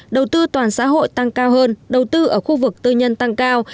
đầu tư toàn xã hội tăng cao hơn đầu tư ở khu vực tư nhân tăng cao